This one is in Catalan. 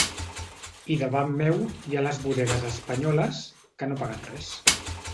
I davant meu hi ha les bodegues espanyoles, que no paguen res.